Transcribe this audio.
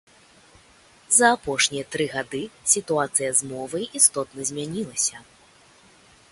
За апошнія тры гады сітуацыя з мовай істотна змянілася.